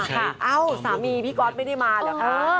สามีพี่ก๊อตไม่ได้มาเพราะคุณค่ะ